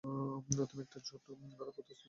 তুমি একটা জোট গড়ার প্রস্তাব দিচ্ছ।